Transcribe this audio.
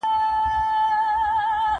که صنف روښانه وي نو سترګې نه خوږیږي.